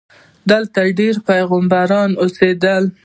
دلته ډېر پیغمبران اوسېدلي دي.